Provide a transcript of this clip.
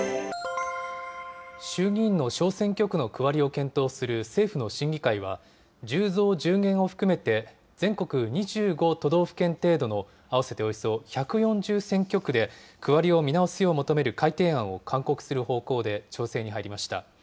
衆議院の小選挙区の区割りを検討する政府の審議会は、１０増１０減を含めて、全国２５都道府県程度の合わせておよそ１４０選挙区で、区割りを見直すよう求める改定案を勧告する方向で調整に入りました。